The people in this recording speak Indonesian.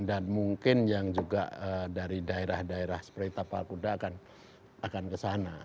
dan mungkin yang juga dari daerah daerah seperti tapal kuda akan kesana